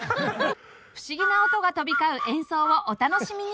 不思議な音が飛び交う演奏をお楽しみに！